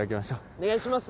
お願いします。